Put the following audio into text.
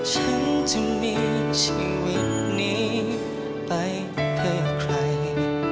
ฉันจะมีชีวิตนี้ไปเพื่อใคร